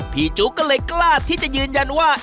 จุ๊กก็เลยกล้าที่จะยืนยันว่า